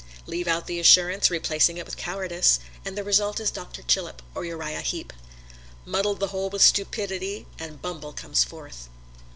Leave out the assurance, replacing it with cowardice, and the result is Doctor Chillip or Uriah Heap. Muddle the whole with stupidity, and Bumble comes forth.